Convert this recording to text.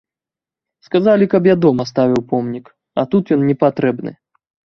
Сказалі, каб я дома ставіў помнік, а тут ён непатрэбны.